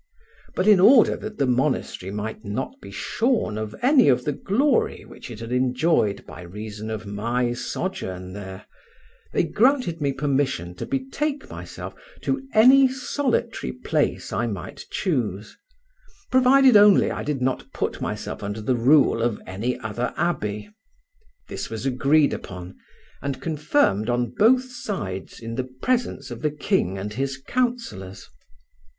But in order that the monastery might not be shorn of any of the glory which it had enjoyed by reason of my sojourn there, they granted me permission to betake myself to any solitary place I might choose, provided only I did not put myself under the rule of any other abbey. This was agreed upon and confirmed on both sides in the presence of the king and his councellors.